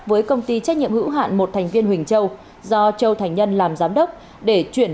với công ty trách nhiệm hữu hạn một thành viên huỳnh châu do châu thành nhân làm giám đốc để chuyển